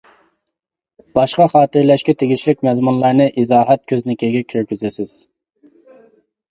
باشقا خاتىرىلەشكە تېگىشلىك مەزمۇنلارنى ئىزاھات كۆزنىكىگە كىرگۈزىسىز.